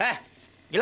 eh tunggu ade